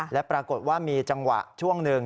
และปรากฏว่ามีจังหวะช่วงหนึ่ง